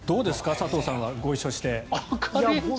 佐藤さんは、ご一緒して。